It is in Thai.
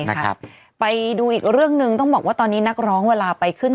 ครับไปดูอีกเรื่องหนึ่งต้องบอกว่าตอนนี้นักร้องเวลาไปขึ้น